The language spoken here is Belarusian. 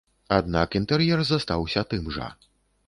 Аднак інтэр'ер застаўся тым жа.